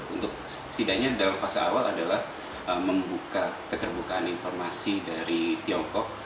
untuk setidaknya dalam fase awal adalah membuka keterbukaan informasi dari tiongkok